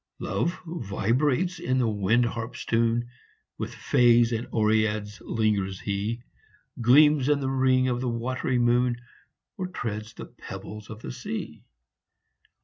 Love vibrates in the wind harp s tune With fays and oreads lingers he Gleams in th ring of the watery moon, Or treads the pebbles of the sea.